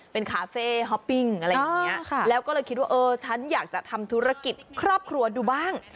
เป็นคาเฟ่ฮอปปิ้งอะไรอย่างนี้แล้วก็เลยคิดว่าเออฉันอยากจะทำธุรกิจครอบครัวดูบ้าง